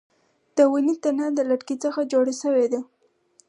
د ونې تنه د لرګي څخه جوړه ده